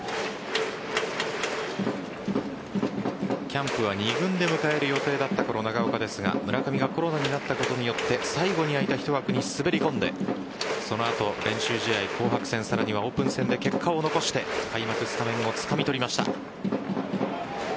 キャンプは二軍で迎える予定だった長岡ですが村上がコロナになったことによって最後に空いた１枠に滑り込んでその後は練習試合、紅白戦さらにはオープン戦で結果を残して開幕スタメンをつかみ取りました。